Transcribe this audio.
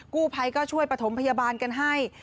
กู้ภัยก็ช่วยประถมพยาบาลกันให้